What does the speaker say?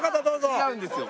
違うんですよ。